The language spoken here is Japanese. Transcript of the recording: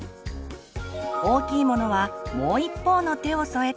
大きいものはもう一方の手を添えて。